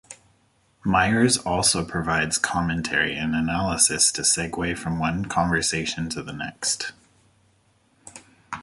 Myers also provides commentary and analysis to segue from one conversation to the next.